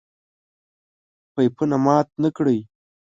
پيپونه مات نکړئ!